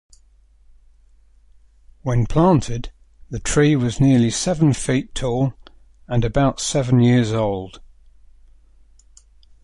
When planted, the tree was nearly seven feet tall and about seven years old.